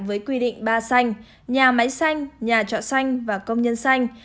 với quy định ba xanh nhà máy xanh nhà trọ xanh và công nhân xanh